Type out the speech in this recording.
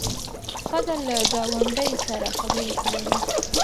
ښځه له ګاونډۍ سره خبرې کولې.